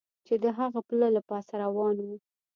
چې د هماغه پله له پاسه روان و.